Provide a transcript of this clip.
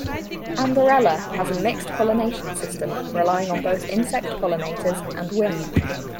"Amborella" has a mixed pollination system, relying on both insect pollinators and wind.